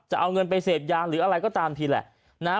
จะเอาเงินไปเสพยาหรืออะไรก็ตามทีแหละนะฮะ